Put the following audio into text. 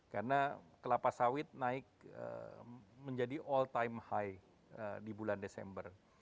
karena kelapa sawit naik menjadi all time high di bulan desember